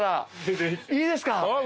いいですか？